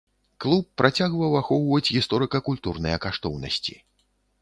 Клуб працягваў ахоўваць гісторыка-культурныя каштоўнасці.